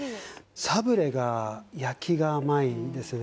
サブレが焼きが甘いんですよね